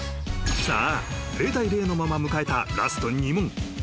［さあ０対０のまま迎えたラスト２問］